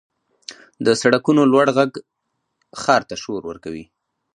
• د سړکونو لوړ ږغ ښار ته شور ورکوي.